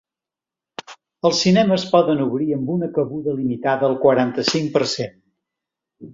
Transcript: Els cinemes poden obrir amb una cabuda limitada al quaranta-cinc per cent.